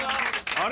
あれ？